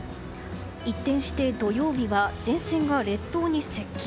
一転して土曜日は前線が列島に接近。